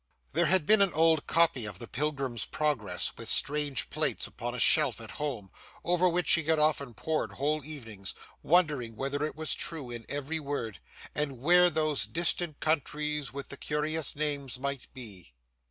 There had been an old copy of the Pilgrim's Progress, with strange plates, upon a shelf at home, over which she had often pored whole evenings, wondering whether it was true in every word, and where those distant countries with the curious names might be.